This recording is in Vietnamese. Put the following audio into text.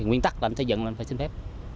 nguyên tắc là xây dựng nên phải xin phép